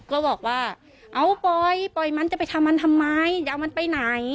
ก็บอกว่าเอาปล่อยปล่อยมันจะไปทำมันทำไมจะเอามันไปไหน